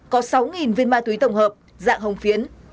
có sáu viên ma túy tổng hợp dạng hồng phiến